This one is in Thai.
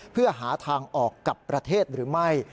เพื่อหาทางออกกับประเทศหรือไม่